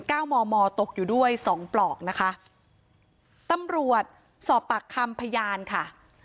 เก้ามอมอตกอยู่ด้วยสองปลอกนะคะตำรวจสอบปากคำพยานค่ะ